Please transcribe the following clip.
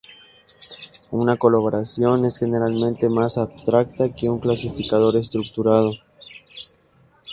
Una "colaboración" es generalmente más abstracta que un clasificador estructurado.